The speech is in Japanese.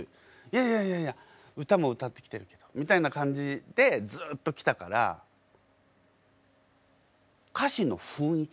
いやいやいやいや歌も歌ってきてるけどみたいな感じでずっときたからハハハハハ。